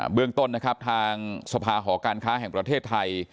เรื่องต้นนะครับทางสภาหอการค้าแห่งประเทศไทย